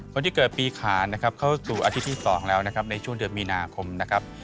คนที่เกิดปีขานนะครับเข้าสู่อาทิตย์ที่๒แล้วนะครับในช่วงเดือนมีนาคมนะครับ